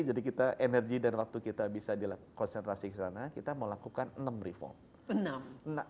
jadi kita energi dan waktu kita bisa di konsentrasi ke sana kita mau lakukan enam reform